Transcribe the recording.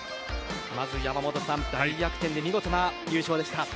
まず山本さん大逆転で見事な優勝でした。